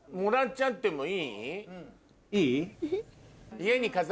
いい？